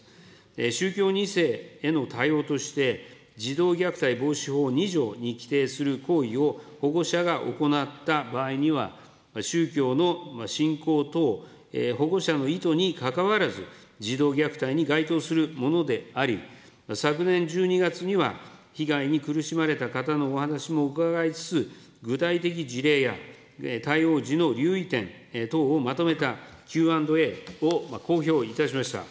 宗教２世への対応として、児童虐待防止法２条に規定する行為を保護者が行った場合には、宗教の信仰等、保護者の意図にかかわらず、児童虐待に該当するものであり、昨年１２月には、被害に苦しまれた方のお話も伺いつつ、具体的事例や、対応時の留意点等をまとめたＱ＆Ａを公表いたしました。